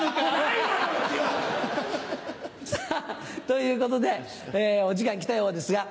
さぁということでお時間来たようですが。